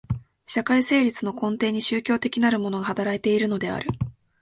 社会成立の根底に宗教的なるものが働いているのである。